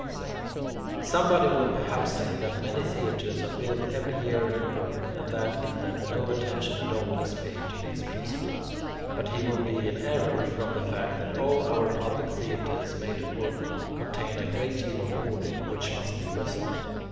7. Somebody will perhaps say that many theatres are built every year in Rome, and that in them no attention at all is paid to these principles; but he will be in error, from the fact that all our public theatres made of wood contain a great deal of boarding, which must be resonant.